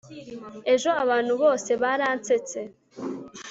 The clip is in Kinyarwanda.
ejo abantu bose baransetse